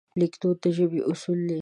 لیکدود د ژبې اصول دي.